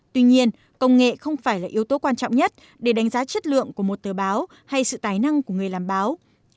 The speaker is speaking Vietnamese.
tuy nhiên công nghệ không phải là yếu tố quan trọng nhất để đánh giá chất lượng của một tờ báo hay sự tài năng của người làm báo